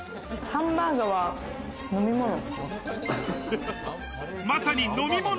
ハンバーガーは飲み物。